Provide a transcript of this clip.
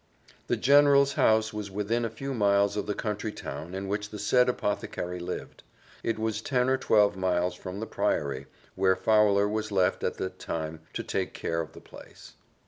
The general's house was within a few miles of the country town in which the said apothecary lived; it was ten or twelve miles from the Priory, where Fowler was left, at that time, to take care of the place.